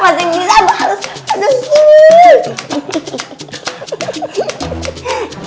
hai hai ya allah wet taruh tante weh enam puluh tujuh